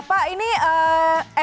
pak ini mui